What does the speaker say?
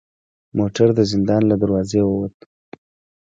موټر د زندان له دروازې و وت.